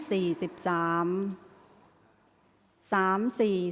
ออกรางวัลที่๖